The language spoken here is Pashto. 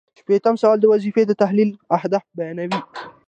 شپیتم سوال د وظیفې د تحلیل اهداف بیانوي.